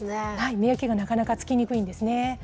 見分けがなかなかつきにくいんですね。